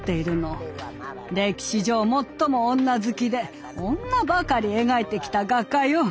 歴史上最も女好きで女ばかり描いてきた画家よ。